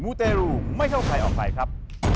ูเตรูไม่เข้าใครออกใครครับ